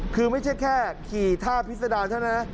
คือไม่ใช่แค่ขี่ท่าพิษดาลใช่ไหมนะ